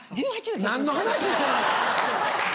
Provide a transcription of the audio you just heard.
何の話してる？